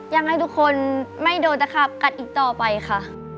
ให้ทุกคนไม่โดนตะขาบกัดอีกต่อไปค่ะ